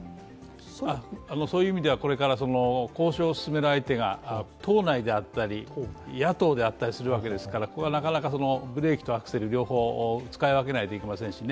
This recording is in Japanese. そういう意味では、これから交渉を進める相手が党内であったり野党であったりするわけですからここはなかなかブレーキとアクセルは使い分けなきゃいけませんからね。